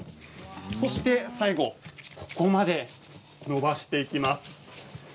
最後、ここまでのばしていきます。